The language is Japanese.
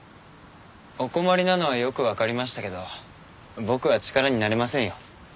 お困りなのはよくわかりましたけど僕は力になれませんよ。